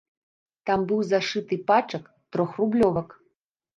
Там быў зашыты пачак трохрублёвак.